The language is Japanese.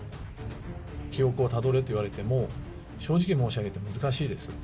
記憶をたどれと言われても、正直申し上げて、難しいです。